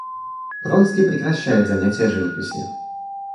Вронский прекращает занятия живописью.